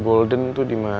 galeri golden tuh dimana